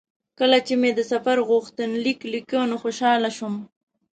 کله چې مې د سفر غوښتنلیک لیکه نو خوشاله شوم.